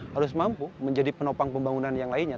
harus mampu menjadi penopang pembangunan yang lainnya